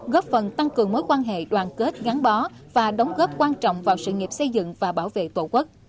góp phần tăng cường mối quan hệ đoàn kết gắn bó và đóng góp quan trọng vào sự nghiệp xây dựng và bảo vệ tổ quốc